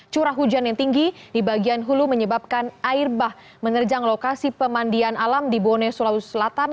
curah hujan yang tinggi di bagian hulu menyebabkan air bah menerjang lokasi pemandian alam di bone sulawesi selatan